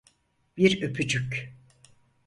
Bir öpücük.